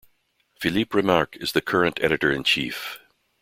Philippe Remarque is the current editor-in-chief.